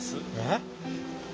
えっ？